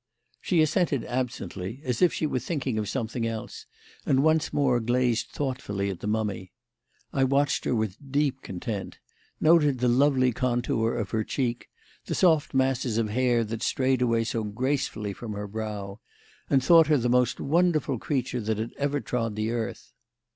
She assented absently as if she were thinking of something else, and once more gazed thoughtfully at the mummy. I watched her with deep content: noted the lovely contour of her cheek, the soft masses of hair that strayed away so gracefully from her brow, and thought her the most wonderful creature that had ever trod the earth.